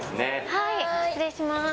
はい失礼します